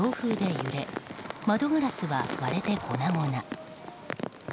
揺れ窓ガラスは割れて粉々。